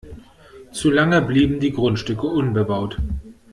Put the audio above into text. Zu lange blieben die Grundstücke unbebaut.